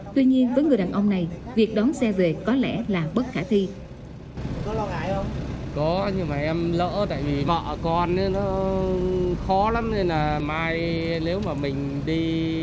tuy nhiên với người đàn ông này việc đón xe về có lẽ là bất khả thi